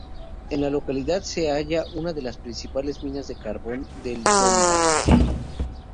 En la localidad se halla una de las principales minas de carbón del Donbass.